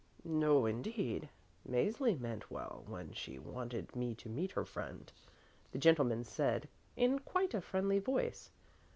"No, indeed. Mäzli meant well when she wanted me to meet her friend," the gentleman said in quite a friendly voice.